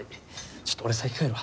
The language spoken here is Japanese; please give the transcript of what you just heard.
ちょっと俺先帰るわ。